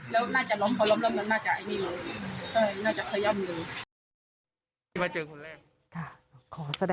แล้วน่าจะล้มพอล้มน่าจะไอ้นี่มาเลย